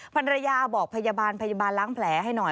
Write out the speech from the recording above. ภรรยาบอกพยาบาลพยาบาลล้างแผลให้หน่อย